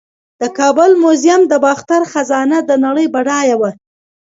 د کابل میوزیم د باختر خزانه د نړۍ بډایه وه